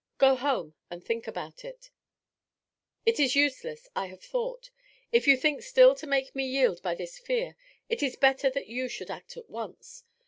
Go home and think about it.' It is useless. I have thought. If you think still to make me yield by this fear, it is better that you should act at once.